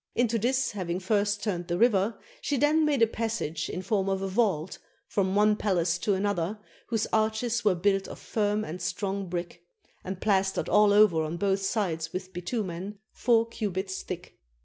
Into this having first turned the river, she then made a passage in form of a vault, from one palace to another, whose arches were built of firm and strong brick, and plastered all over on both sides with bitimien, four cubits thick.